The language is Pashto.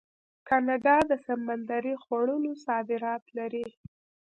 کاناډا د سمندري خوړو صادرات لري.